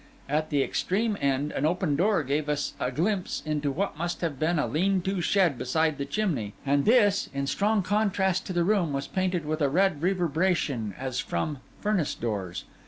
At the extreme end an open door gave us a glimpse into what must have been a lean to shed beside the chimney; and this, in strong contrast to the room, was painted with a red reverberation as from furnace doors.